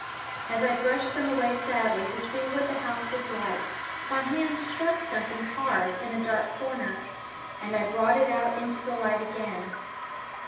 As I brushed them away sadly to see what the house was like, my hand struck something hard in a dark corner, and I brought it out into the light again.